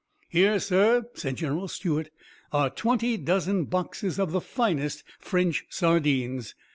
"Here, sir," said General Stuart, "are twenty dozen boxes of the finest French sardines.